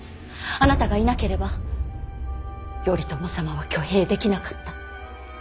あなたがいなければ頼朝様は挙兵できなかった。